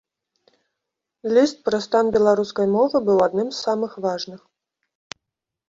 Ліст пра стан беларускай мовы быў адным з самых важных.